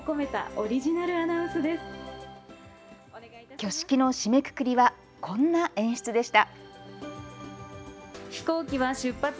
挙式の締めくくりはこんな演出でした。